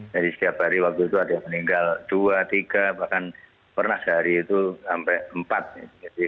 jadi setiap hari waktu itu ada yang meninggal dua tiga bahkan pernah sehari itu sampai empat